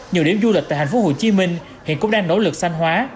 nhiều điểm du lịch tại hạnh phúc hồ chí minh hiện cũng đang nỗ lực sanh hóa